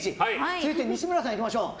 続いて西村さんいきましょう。